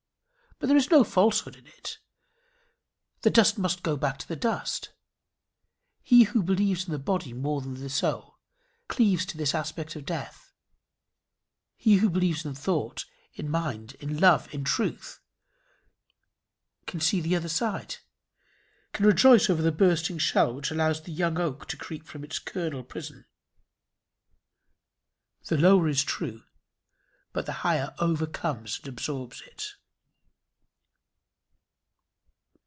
But there is no falsehood in it. The dust must go back to the dust. He who believes in the body more than in the soul, cleaves to this aspect of death: he who believes in thought, in mind, in love, in truth, can see the other side can rejoice over the bursting shell which allows the young oak to creep from its kernel prison. The lower is true, but the higher overcomes and absorbs it.